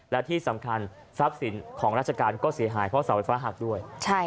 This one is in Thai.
และที่สำคัญทรัพย์สินของราชการก็เสียหายเพราะเสาไฟฟ้าหักด้วย